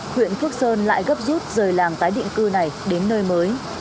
huyện phước sơn lại gấp rút rời làng tái định cư này đến nơi mới